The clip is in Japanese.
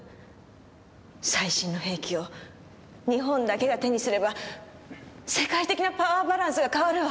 最新の兵器を日本だけが手にすれば世界的なパワーバランスが変わるわ。